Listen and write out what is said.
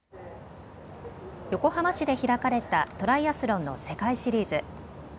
横浜市で開かれたトライアスロンの世界シリーズ。